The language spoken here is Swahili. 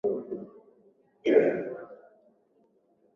Wazanaki ni kabila kutoka eneo la kaskazinimagharibi ya nchi ya Tanzania